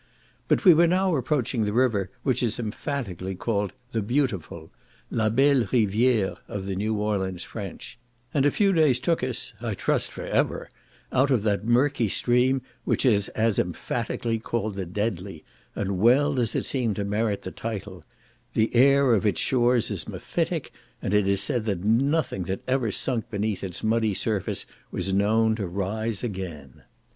But we were now approaching the river which is emphatically called "the beautiful," La Belle Riveriere of the New Orleans French; and a few days took us, I trust for ever, out of that murky stream which is as emphatically called "the deadly;" and well does it seem to merit the title; the air of its shores is mephitic, and it is said that nothing that ever sunk beneath its muddy surface was known to rise again.